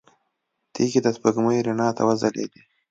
تيږې د سپوږمۍ رڼا ته وځلېدې.